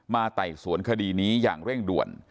ไต่สวนคดีนี้อย่างเร่งด่วน